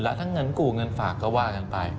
แล้วถ้าเงินกู้เงินฝากก็ว่ากันไป